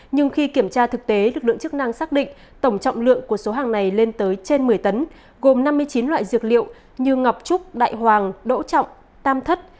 nhưng khi kiểm tra thực tế lực lượng chức năng xác định tổng trọng lượng của số hàng này lên tới trên một mươi tấn gồm năm mươi chín loại dược liệu như ngọc trúc đại hoàng đỗ trọng tam thất